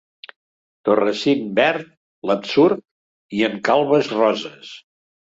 Torressin verd l'Absurd, i en calbes roses.